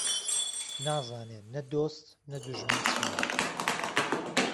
نازانێ نه دۆست نه دوژمن چییه